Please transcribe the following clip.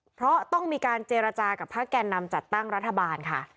เพราะต้องมีการเจรจากับภาคแก่นำจัดตั้งรัฐบาลค่ะ